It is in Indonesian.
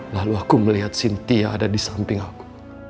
lalu aku melihat sintia ada di samping aku